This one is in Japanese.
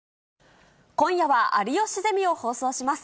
今夜は有吉ゼミを放送します。